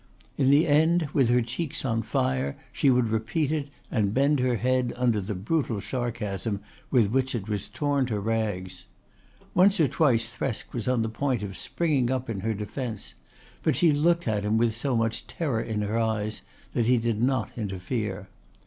In the end, with her cheeks on fire, she would repeat it and bend her head under the brutal sarcasm with which it was torn to rags. Once or twice Thresk was on the point of springing up in her defence, but she looked at him with so much terror in her eyes that he did not interfere.